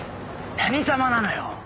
何様なのよ。